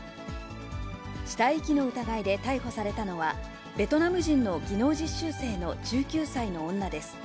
死体遺棄の疑いで逮捕されたのは、ベトナム人の技能実習生の１９歳の女です。